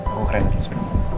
aku ke renan dulu